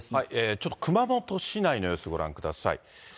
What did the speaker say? ちょっと熊本市内の様子、ご覧ください。